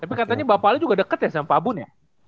tapi katanya bapak ali juga deket ya sama pak bun ya